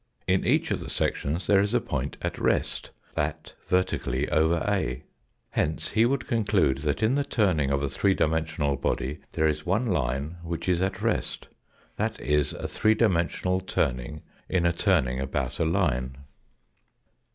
In each of the sections there is a point at rest, that vertically over A. Hence he would conclude that in the turning of a three dimensional body there is one line which is at rest. That is a three dimensional turning in a turning about a line.